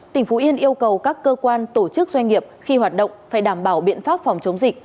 tỉnh phú yên yêu cầu các cơ quan tổ chức doanh nghiệp khi hoạt động phải đảm bảo biện pháp phòng chống dịch